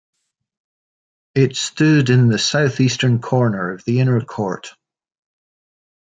It stood in the south-eastern corner of the inner court.